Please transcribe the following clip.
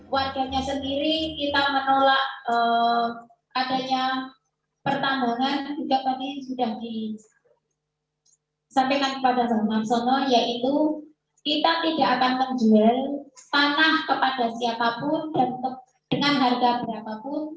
maksudnya yaitu kita tidak akan menjual tanah kepada siapapun dengan harga berapapun